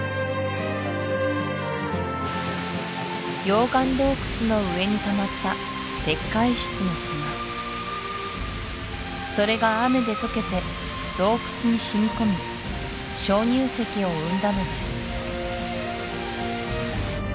溶岩洞窟の上にたまった石灰質の砂それが雨で溶けて洞窟にしみこみ鍾乳石を生んだのです